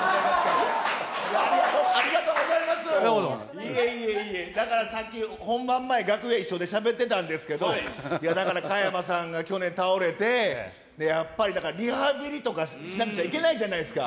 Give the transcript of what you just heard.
いえいえいえ、だから本番前、楽屋一緒でしゃべってたんですけど、だから加山さんが去年倒れて、やっぱり、だからリハビリとかしなくちゃいけないじゃないですか。